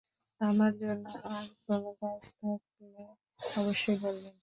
আমার জন্য আর কোনো কাজ থাকলে অবশ্যই বলবেন।